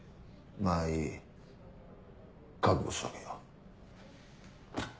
まぁいい覚悟しとけよ。